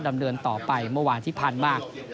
ดำเนินต่อไปเมื่อวานที่พันธุ์มาก